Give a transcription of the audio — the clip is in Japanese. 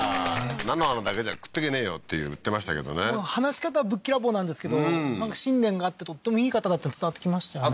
菜の花だけじゃ食っていけねえよって言ってましたけどね話し方はぶっきらぼうなんですけど信念があってとってもいい方だっていうの伝わってきましたよね